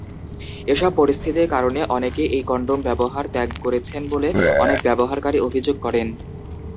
এসব পরিস্থিতির কারণে অনেকে এই কনডম ব্যবহার ত্যাগ করেছেন বলে অনেক ব্যবহারকারী অভিযোগ করেন।